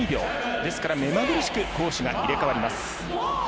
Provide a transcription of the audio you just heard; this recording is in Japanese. ですから、目まぐるしく攻守が入れ代わります。